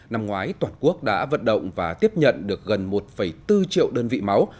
năm ngoái toàn quốc đã vận động và tiếp nhận được gần một bốn triệu đơn vị máu